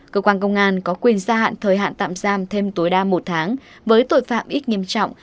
cơ quan công an có quyền gia hạn thời hạn tạm giam thêm tối đa một tháng với tội phạm ít nghiêm trọng